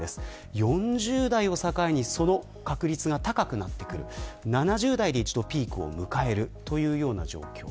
４０代を境にその確率が高くなってくる７０代で１度ピークを迎えるという状況。